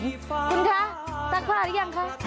คุณค่ะซักผ้ารึยังคะ